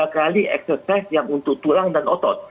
tiga kali eksersis yang untuk tulang dan otot